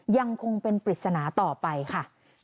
ยังคงเป็นปริศนาต่อไปค่ะ